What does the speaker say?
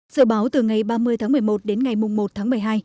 dự báo từ ngày ba mươi một mươi một đến ngày một một mươi hai